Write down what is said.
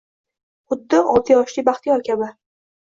xuddi olti yoshli Baxtiyor kabi